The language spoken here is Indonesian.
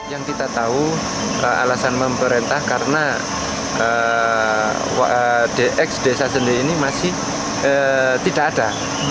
yang kita tahu alasan pemerintah karena ex desa sendiri ini masih tidak ada